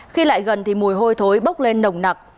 khi lại gần thì mùi hôi thối bốc lên nồng nặc